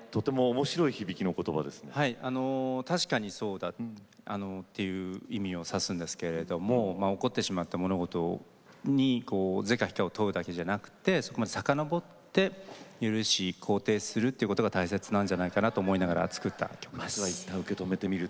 確かにそうだという意味を指すんですけれども起こってしまった物事に是か非かを問うだけではなくさかのぼって肯定するというのが大切なんじゃないかなと作った曲です。